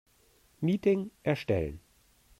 Meeting erstellen.